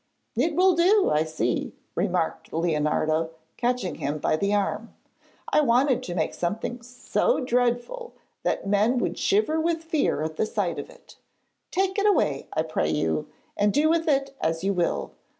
'It will do, I see,' remarked Leonardo, catching him by the arm. 'I wanted to make something so dreadful that men would shiver with fear at the sight of it. Take it away, I pray you, and do with it as you will.